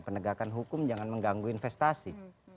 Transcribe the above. penegakan hukum jangan mengganggu investasi